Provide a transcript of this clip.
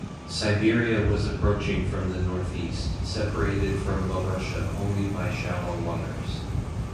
Siberia was approaching from the northeast, separated from Laurussia only by shallow waters.